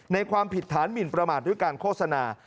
ความผิดฐานหมินประมาทด้วยการโฆษณา